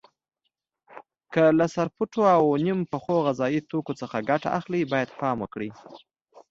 که له سرپټو او نیم پخو غذایي توکو څخه ګټه اخلئ باید پام وکړئ.